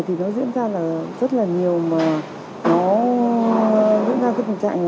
thì nó diễn ra là rất là nhiều mà nó diễn ra cái tình trạng